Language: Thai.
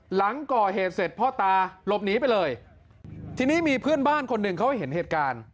หลังก่อเหตุเสร็จพ่อตาหลบหนีไปเลยทีนี้มีเพื่อนบ้านคนหนึ่งเขาเห็นเหตุการณ์